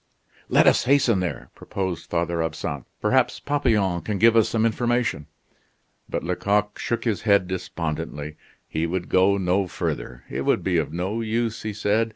"Let us hasten there!" proposed Father Absinthe; "perhaps Papillon can give us some information." But Lecoq shook his head despondently. He would go no further. "It would be of no use," he said.